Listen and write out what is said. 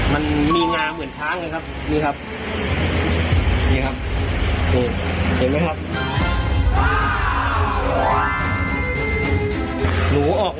มันมีงาเหมือนช้างเลยครับนี่ครับ